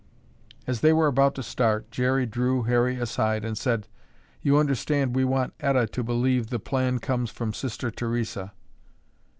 As they were about to start, Jerry drew Harry aside and said: "You understand we want Etta to believe the plan comes from Sister Theresa."